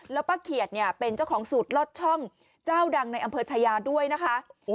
แล้วป้าเขียดเนี่ยเป็นเจ้าของสูตรลอดช่องเจ้าดังในอำเภอชายาด้วยนะคะ